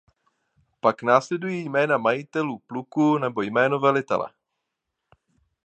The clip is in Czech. Pak následují jména majitelů pluků nebo jméno velitele.